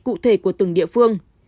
cụ thể của từng địa phương